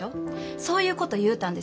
そういうこと言うたんですよ